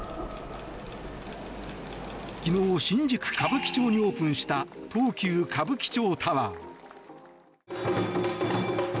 昨日新宿・歌舞伎町にオープンした東急歌舞伎町タワー。